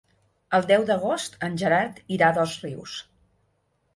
El deu d'agost en Gerard irà a Dosrius.